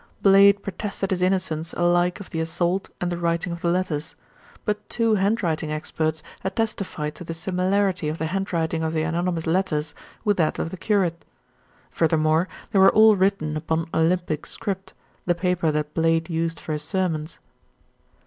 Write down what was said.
Blade protested his innocence alike of the assault and the writing of the letters; but two hand writing experts had testified to the similarity of the handwriting of the anonymous letters with that of the curate. Furthermore, they were all written upon "Olympic Script," the paper that Blade used for his sermons.